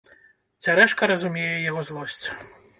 Цярэшка разумее яго злосць.